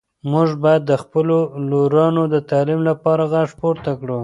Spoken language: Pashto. موږ باید د خپلو لورانو د تعلیم لپاره غږ پورته کړو.